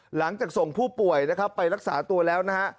หลังจากส่งผู้ป่วยนะครับไปรักษาตัวแล้วนะฮะ